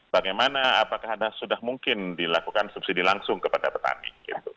bagaimana apakah ada sudah mungkin dilakukan subsidi langsung kepada petani